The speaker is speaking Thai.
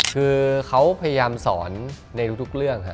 คือเขาพยายามสอนในทุกเรื่อง